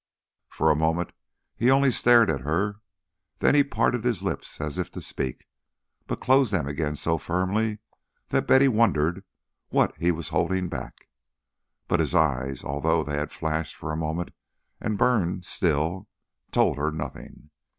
For a moment he only stared at her. Then he parted his lips as if to speak, but closed them again so firmly that Betty wondered what he was holding back. But his eyes, although they had flashed for a moment and burned still, told her nothing.